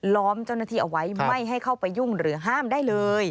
ล้อมเจ้าหน้าที่เอาไว้ไม่ให้เข้าไปยุ่งหรือห้ามได้เลย